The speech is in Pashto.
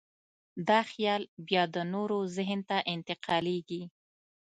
دا خیال بیا د نورو ذهن ته انتقالېږي.